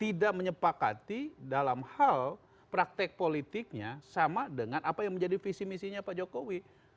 tidak menyepakati dalam hal praktek politiknya sama dengan apa yang menjadi visi misinya pak jokowi